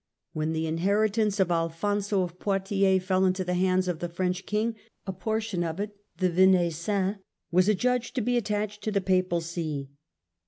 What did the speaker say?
When the inheritance of Alfonso of Poitiers fell into the " Baby hands of the French King, a portion of it — the Venaissin Captivity" —^^^ adjudged to be attached to the Papal See.